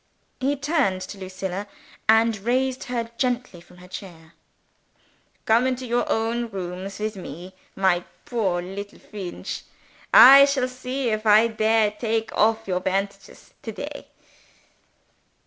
He turned to Lucilla, and raised her gently from her chair. "Come into your own rooms with me, my poor little Feench. I shall see if I dare take off your bandages to day."